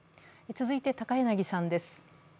続いて高柳さんです。